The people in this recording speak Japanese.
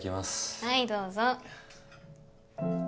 はいどうぞ。